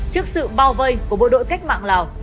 trước sự bao vây của bộ đội cách mạng lào